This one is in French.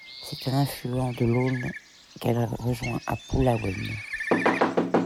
C'est un affluent de l'Aulne, qu'elle rejoint à Poullaouen.